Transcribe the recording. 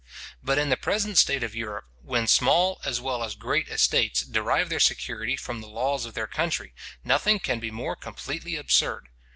But in the present state of Europe, when small as well as great estates derive their security from the laws of their country, nothing can be more completely absurd.